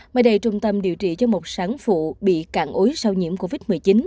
mấy đầy trung tâm điều trị cho một sản phụ bị cạn ối sau nhiễm covid một mươi chín